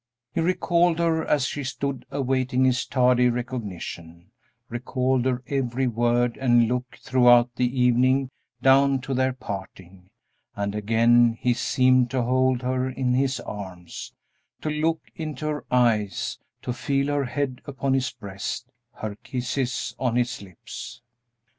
He recalled her as she stood awaiting his tardy recognition recalled her every word and look throughout the evening down to their parting, and again he seemed to hold her in his arms, to look into her eyes, to feel her head upon his breast, her kisses on his lips.